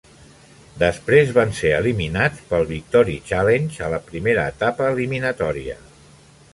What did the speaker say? Després van ser eliminats pel Victory Challenge a la primera etapa eliminatòria.